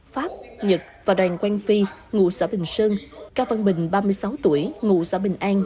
pháp nhật và đoàn quan phi ngụ xã bình sơn cao văn bình ba mươi sáu tuổi ngụ xã bình an